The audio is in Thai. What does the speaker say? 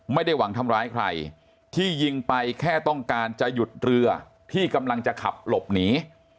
ไม่ได้หวังทำร้ายใครที่ยิงไปแค่ต้องการจะหยุดเรือที่กำลังจะขับหลบหนี